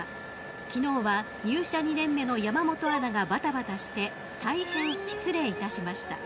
昨日は入社２年目の山本アナがバタバタして大変失礼いたしました。